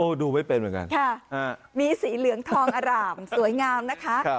ดูไม่เป็นเหมือนกันค่ะมีสีเหลืองทองอร่ามสวยงามนะคะ